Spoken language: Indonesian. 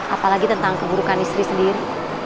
apalagi tentang keburukan istri sendiri